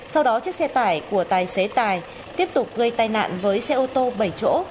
sau đó chiếc xe tải của tài xế tài tiếp tục gây tai nạn với xe ô tô bảy chỗ